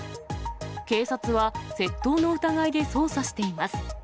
警察は窃盗の疑いで捜査しています。